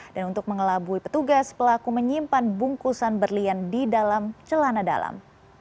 dan untuk mengelabui petugas pelaku menyimpan bungkusan berlian di dalam celana dalam